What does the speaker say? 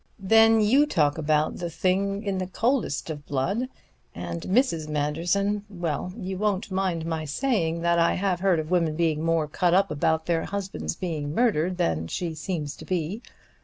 Then you talk about the thing in the coldest of blood. And Mrs. Manderson well, you won't mind my saying that I have heard of women being more cut up about their husbands being murdered than she seems to be.